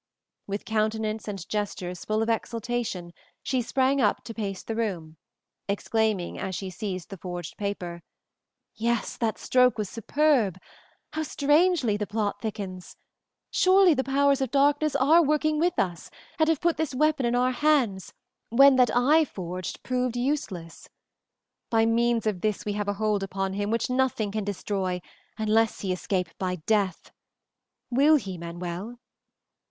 With countenance and gestures full of exultation she sprang up to pace the room, exclaiming, as she seized the forged paper, "Yes, that stroke was superb! How strangely the plot thickens. Surely the powers of darkness are working with us and have put this weapon in our hands when that I forged proved useless. By means of this we have a hold upon him which nothing can destroy unless he escape by death. Will he, Manuel?"